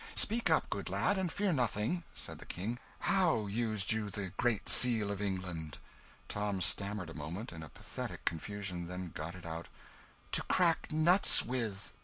"Speak up, good lad, and fear nothing," said the King. "How used you the Great Seal of England?" Tom stammered a moment, in a pathetic confusion, then got it out "To crack nuts with!"